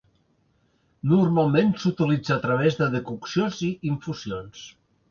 Normalment s'utilitza a través de decoccions i infusions.